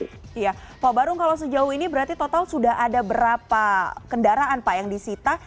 iya pak barung kalau sejauh ini berarti total sudah ada berapa kendaraan pak yang disita